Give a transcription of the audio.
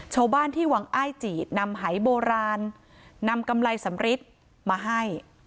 ชาวบ้านที่วังอ้ายจีดนำหายโบราณนำกำไรสำริทมาให้